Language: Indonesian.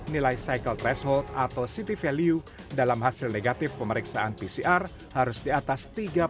nilai cycle threshold atau city value dalam hasil negatif pemeriksaan pcr harus di atas tiga puluh